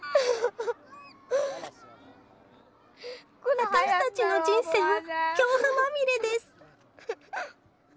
私たちの人生は恐怖まみれです。